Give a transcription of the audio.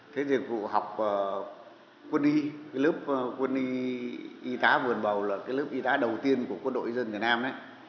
thế thì cụ học quân y lớp quân y y tá vườn bầu là lớp y tá đầu tiên của quân đội dân việt nam